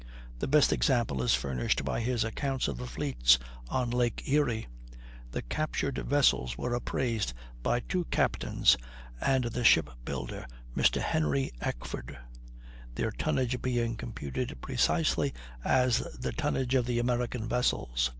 The best example is furnished by his accounts of the fleets on Lake Erie. The captured vessels were appraised by two captains and the ship builder, Mr. Henry Eckford; their tonnage being computed precisely as the tonnage of the American vessels.